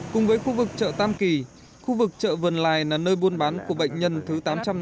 cùng với khu vực chợ tam kỳ khu vực chợ vườn lài là nơi buôn bán của bệnh nhân thứ tám trăm năm mươi